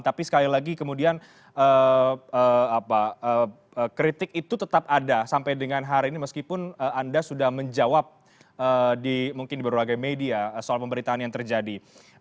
tapi sekali lagi kemudian kritik itu tetap ada sampai dengan hari ini meskipun anda sudah menjawab mungkin di berbagai media soal pemberitaan yang terjadi